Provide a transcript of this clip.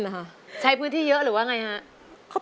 เลวใช้พื้นที่เยอะหรือว่าไงครับ